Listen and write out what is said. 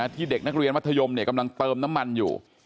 ที่เด็กนักเรียนมัธยมกำลังเติมน้ำมันอยู่